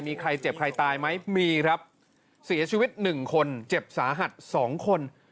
มีใครเจ็บใครตายไหมมีครับเสียชีวิตหนึ่งคนเจ็บสาหัสสองคน